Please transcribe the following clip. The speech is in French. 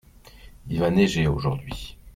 Il va neiger aujourd’hui.